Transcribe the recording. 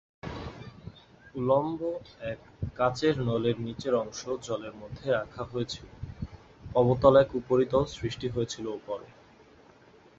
উল্লম্ব এক কাচের নলের নিচের অংশ জলের মধ্যে রাখা হয়েছিলো, অবতল এক উপরিতল সৃষ্টি হয়েছিলো ওপরে।